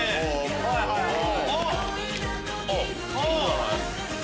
はいはいはい！